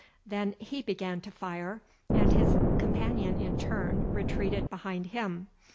Then he began to fire, and his companion in turn retreated behind him.